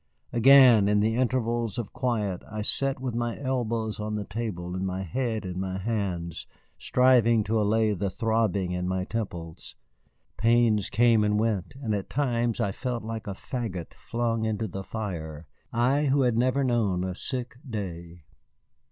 Again, in the intervals of quiet, I sat with my elbows on the table and my head in my hands, striving to allay the throbbing in my temples. Pains came and went, and at times I felt like a fagot flung into the fire, I, who had never known a sick day.